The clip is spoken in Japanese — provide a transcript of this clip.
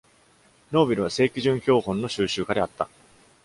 Norville は正基準標本の収集家であった。